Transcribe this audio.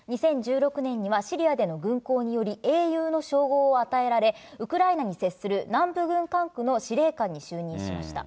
２０１６年にはシリアでの軍功により、英雄の称号を与えられ、ウクライナに接する南部軍管区の司令官に就任しました。